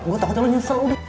gue takut lo nyesel udah